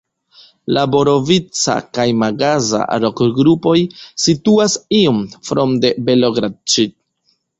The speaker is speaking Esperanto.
La Borovica- kaj Magaza-rokgrupoj situas iom for de Belogradĉik.